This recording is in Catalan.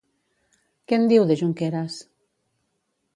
Què en diu, de Junqueras?